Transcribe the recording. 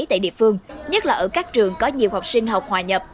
tại địa phương nhất là ở các trường có nhiều học sinh học hòa nhập